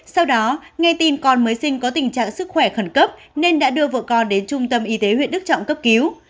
sau đó nghe tin con mới sinh có tình trạng sức khỏe khẩn cấp nên đã đưa vợ con đến trung tâm y tế huyện đức trọng cấp cứu